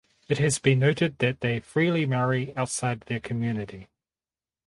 It has been noted that they freely marry outside their community.